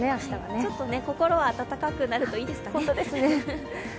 ちょっと心が温かくなるといいですかね。